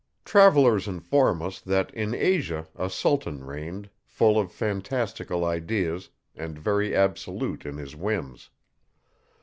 Travellers inform us, that, in Asia, a Sultan reigned, full of fantastical ideas, and very absolute in his whims.